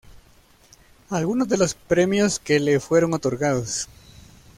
Algunos de los premios que le fueron otorgados.